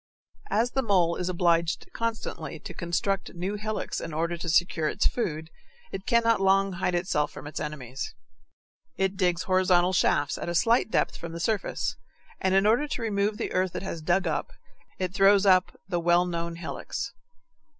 As the mole is obliged constantly to construct new hillocks in order to secure its food, it cannot long hide itself from its enemies. It digs horizontal shafts at a slight depth from the surface, and in order to remove the earth it has dug up, it throws up the well known hillocks.